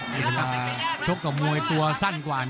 เวลาชกกับมวยตัวสั้นกว่า